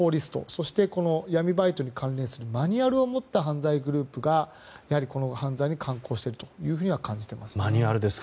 そして、闇バイトに関連するマニュアルを持った犯罪グループがこの犯罪を敢行しているとは感じていますね。